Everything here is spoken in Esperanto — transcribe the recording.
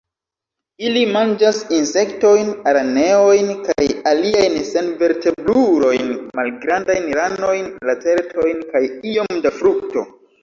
Ili manĝas insektojn, araneojn kaj aliajn senvertebrulojn, malgrandajn ranojn, lacertojn kaj iom da frukto.